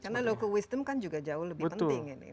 karena local wisdom kan juga jauh lebih penting ini